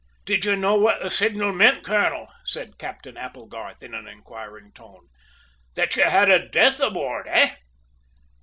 "Did you know what that signal meant, colonel?" said Captain Applegarth in an inquiring tone, "that you had a death aboard, eh?"